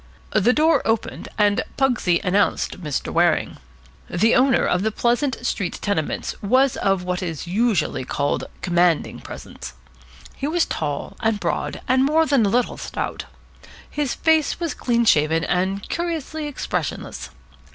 The door opened, and Pugsy announced Mr. Waring. The owner of the Pleasant Street Tenements was of what is usually called commanding presence. He was tall and broad, and more than a little stout. His face was clean shaven and curiously expressionless.